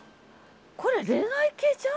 これ恋愛系ちゃう？